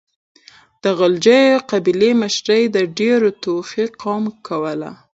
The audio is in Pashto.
د غلجيو قبيلې مشري تر ډيرو توخي قوم کوله.